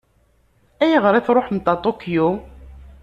Ayɣer i tṛuḥemt ɣer Tokyo?